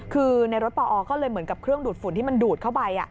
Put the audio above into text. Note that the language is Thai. คือในรถปอก็เลยเหมือนกับเครื่องดูดฝุ่นที่มันดูดเข้าไป